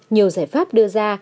nhiều giải pháp đưa ra